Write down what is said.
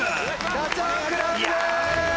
ダチョウ倶楽部です。